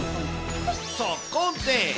そこで！